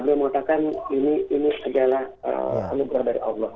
beliau mengatakan ini adalah anugerah dari allah